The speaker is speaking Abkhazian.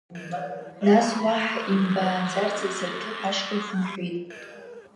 Нас уаҳа имбааӡарц азы рҭыԥ ашҟа ихынҳәит.